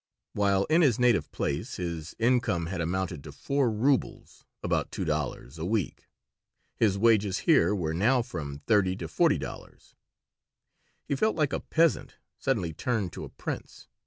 While in his native place his income had amounted to four rubles (about two dollars) a week, his wages here were now from thirty to forty dollars. He felt like a peasant suddenly turned to a prince.